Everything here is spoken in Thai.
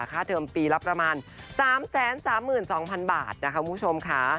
ค่าเทิมปีละประมาณสามแสนสามหมื่นสองพันบาทนะคะคุณผู้ชมค่ะ